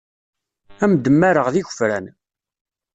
Ad am-d-mmareɣ d igefran.